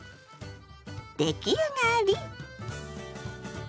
出来上がり！